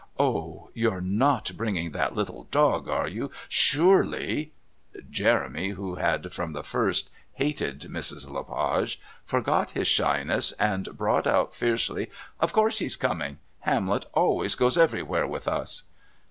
Oh, you're not bringing that little dog, are you? Surely " Jeremy, who had from the first hated Mrs. Le Page, forgot his shyness and brought out fiercely: "Of course he's coming. Hamlet always goes everywhere with us."